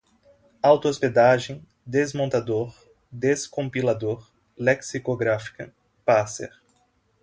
auto-hospedagem, desmontador, descompilador, lexicográfica, parser